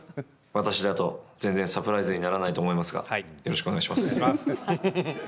私だと全然サプライズにならないと思いますがよろしくお願いします。